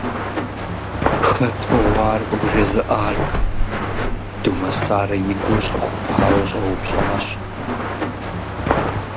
Хэт мыгъуэ ар къыбжезыӀар? – Думэсарэ и гур щӀэхупауэ щӀэупщӀащ.